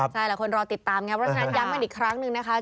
ใช่หลายคนรอติดตามไงเพราะฉะนั้นย้ำกันอีกครั้งหนึ่งนะคะ